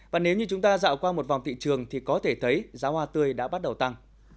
và nếu như chúng ta dạo qua một vòng thị trường thì có thể thấy giá hoa tươi đã bắt đầu tăng